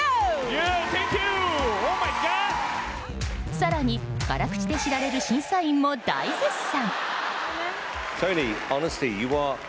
更に、辛口で知られる審査員も大絶賛！